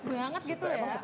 emang sukanya kenapa